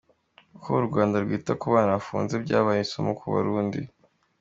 Uko u Rwanda rwita ku bana bafunze byabaye isomo ku Barundi